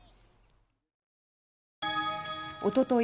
おととい